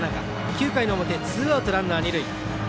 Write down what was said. ９回の表ツーアウト、ランナー、二塁。